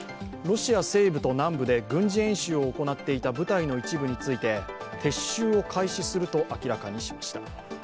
ロシア西部と南部で軍事演習を行っていた部隊の一部について撤収を開始すると明らかにしました。